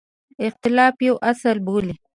اختلاف یو اصل بولي.